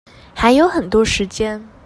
還有很多時間